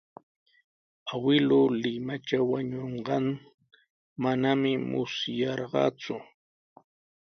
Awkilluu Limatraw wañunqan manami musyarqaaku.